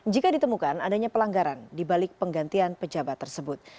jika ditemukan adanya pelanggaran di balik penggantian pejabat tersebut